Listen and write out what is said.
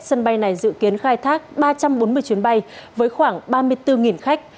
sân bay này dự kiến khai thác ba trăm bốn mươi chuyến bay với khoảng ba mươi bốn khách